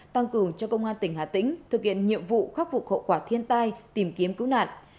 tăng cường cho công an tỉnh hà tĩnh thực hiện nhiệm vụ khắc phục hậu quả thiên tai tìm kiếm cứu nạn